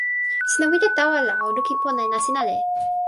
sina wile tawa la o lukin pona e nasin ale.